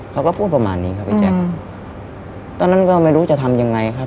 เขาก็พูดประมาณนี้ครับพี่แจ๊คตอนนั้นก็ไม่รู้จะทำยังไงครับ